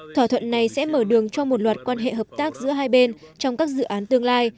thỏa thuận này sẽ mở đường cho một loạt quan hệ hợp tác giữa hai bên trong các dự án tương lai